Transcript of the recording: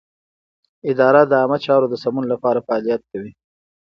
اداره د عامه چارو د سمون لپاره فعالیت کوي.